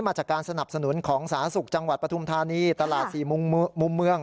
มาจากการสนับสนุนของสาธารณสุขจังหวัดปฐุมธานีตลาดสี่มุมเมือง